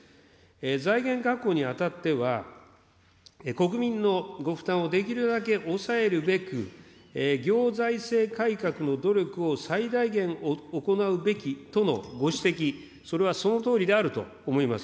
財源確保にあたっては、国民のご負担をできるだけ抑えるべく、行財政改革の努力を最大限行うべきとのご指摘、それはそのとおりであると思います。